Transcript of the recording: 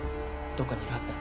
どこかにいるはずだ。